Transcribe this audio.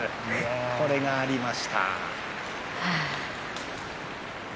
これがありました。